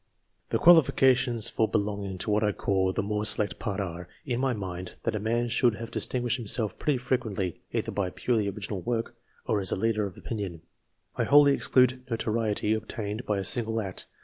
The qualifications for belonging to what I call the more select part are, in my mind, that a man should have dis tinguished himself pretty frequently either by purely original work, or as a leader of opinion. I wholly exclude notoriety obtained by a single act.